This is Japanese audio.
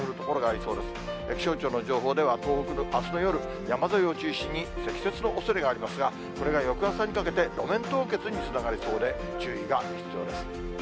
気象庁の情報では、東北、あすの夜、山沿いを中心に積雪のおそれがありますが、それが翌朝にかけて、路面凍結につながりそうで、注意が必要です。